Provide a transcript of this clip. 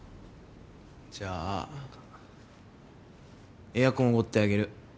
じゃあエアコン奢ってあげる。